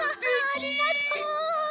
ありがとう！